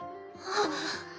あっ。